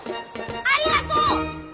ありがとう！